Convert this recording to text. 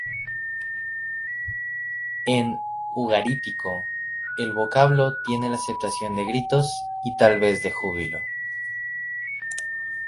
En ugarítico, el vocablo tiene la acepción de gritos y tal vez de júbilo.